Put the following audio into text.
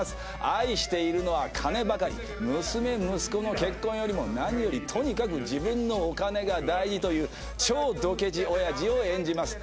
愛しているのは金ばかり娘息子の結婚よりも何よりとにかく自分のお金が大事という超ドケチおやじを演じます